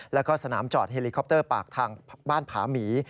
แล้วก็สนามจอดเฮลิคอปเตอร์ปากทางบ้านผาหมี